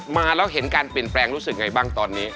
มาแล้วเห็นการเปลี่ยนแปลงรู้สึกไงบ้างตอนนี้